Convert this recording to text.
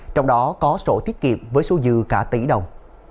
trong đó có sổ tiết kiệm với số dư cả tỷ đồng